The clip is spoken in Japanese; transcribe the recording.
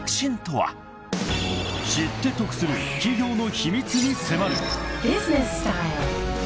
［知って得する企業の秘密に迫る］